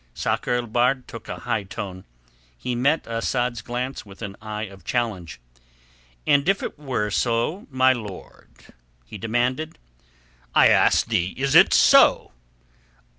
Sakr el Bahr took a high tone. He met Asad's glance with an eye of challenge. "And if it were so my lord?" he demanded. "I asked thee is it so?"